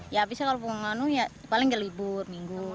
ya bisa kalau pulang ya paling gak libur minggu